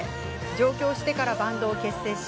上京してからバンドを結成。